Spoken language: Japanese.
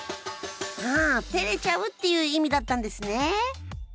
あ「照れちゃう」っていう意味だったんですね！